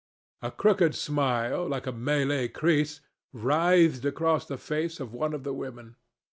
A crooked smile, like a Malay crease, writhed across the face of one of the women.